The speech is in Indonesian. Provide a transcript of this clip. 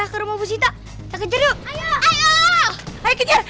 ke rumah bujita kejar kejar